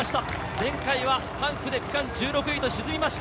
前回は３区で区間１６位と沈みました。